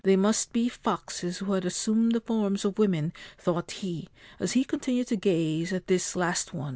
They must be foxes who had assumed the forms of women, thought he, as he continued to gaze at this last one.